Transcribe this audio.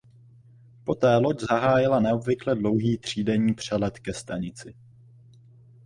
Poté loď zahájila neobvykle dlouhý třídenní přelet ke stanici.